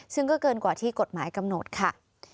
ซึ่งก็เกินกว่าที่กฎหมายกำหนดค่ะ